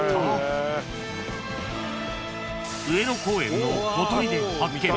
［上野公園のほとりで発見］